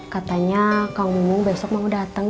katanya kamu besok mau datang